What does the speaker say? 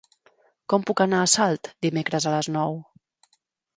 Com puc anar a Salt dimecres a les nou?